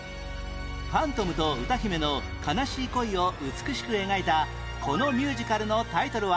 ファントムと歌姫の悲しい恋を美しく描いたこのミュージカルのタイトルは？